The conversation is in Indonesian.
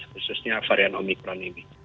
khususnya varian omicron ini